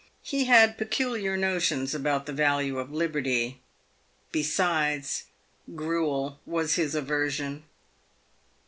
He had peculiar notions about the value of liberty. Besides, gruel was his aversion.